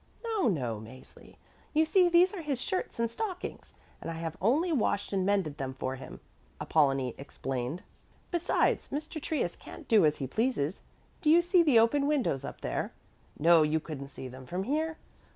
"No, no, Mäzli. You see, these are his shirts and stockings, and I have only washed and mended them for him," Apollonie explained. "Besides, Mr. Trius can't do as he pleases. Do you see the open windows up there? No, you couldn't see them from here.